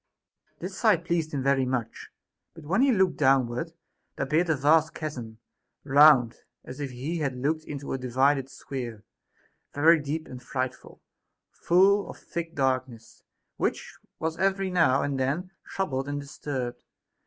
This sight pleased him very much ; but when he looked downward, there appeared a vast chasm, round, as if he had looked into a divided sphere, very deep and frightful, full of thick darkness, which was every now and then troubled and disturbed.